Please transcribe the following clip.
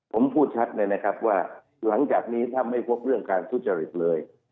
ผมพูดชัดเลยนะครับว่าหลังจากนี้ถ้าไม่พบเรื่องการทุจริตเลย